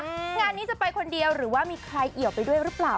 งานนี้จะไปคนเดียวหรือว่ามีใครเอี่ยวไปด้วยหรือเปล่า